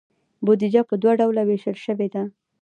بودیجه په دوه ډوله ویشل شوې ده.